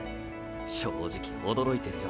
正直驚いてるよ。